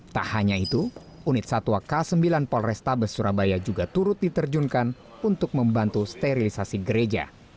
tak hanya itu unit satwa k sembilan polrestabes surabaya juga turut diterjunkan untuk membantu sterilisasi gereja